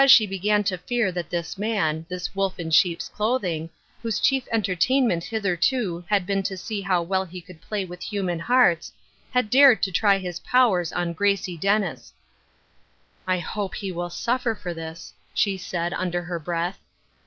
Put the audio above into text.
165 she began to fear that this man — this wolf in sheep's clotliing, whose chief entertainment hitherto had been to see how well he could play with human hearts — had dared to try his pow ers on Gracie Dennis. " I hope he will suffer for this," she said, under her breath.